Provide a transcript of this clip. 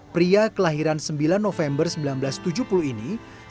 pria kelahiran sembilan november seribu sembilan ratus tujuh puluh ini